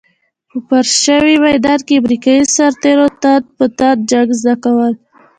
په فرش شوي ميدان کې امريکايي سرتېرو تن په تن جنګ زده کول.